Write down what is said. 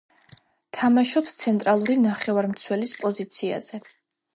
თამაშობს ცენტრალური ნახევარმცველის პოზიციაზე.